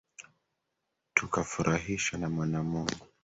Tukafurahishwa na Mwana Mungu